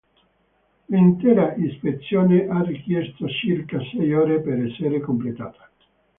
L'intera ispezione ha richiesto circa sei ore per essere completata.